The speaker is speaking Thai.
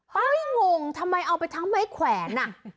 งงทำไมเอาไปทั้งไม้แขวนอ่ะ